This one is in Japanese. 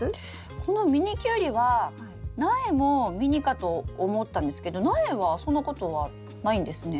このミニキュウリは苗もミニかと思ったんですけど苗はそんなことはないんですね。